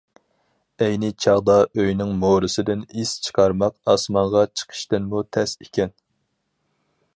ئەينى چاغدا ئۆينىڭ مورىسىدىن ئىس چىقارماق ئاسمانغا چىقىشتىنمۇ تەس ئىكەن.